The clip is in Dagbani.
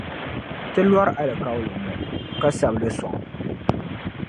ti lɔri alikauli ŋɔ, ka sabi li sɔŋ.